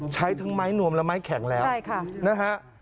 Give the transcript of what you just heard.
ใช้ทั้งไม้นวมและไม้แข็งแล้วนะฮะ